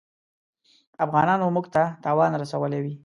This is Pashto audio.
افغانانو موږ ته تاوان رسولی وي.